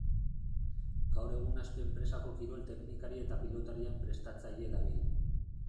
Gaur egun Aspe enpresako kirol teknikari eta pilotarien prestatzaile dabil.